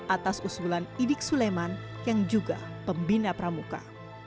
atas usulan idik suleman yang juga pembina pramuka